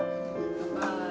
乾杯。